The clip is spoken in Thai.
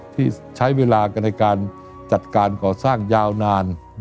ที่ใช้เวลากันในการจัดการก่อสร้างยาวนาน